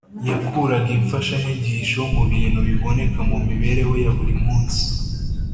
yakuraga imfashanyigisho mu bintu biboneka mu mibereho ya buri munsi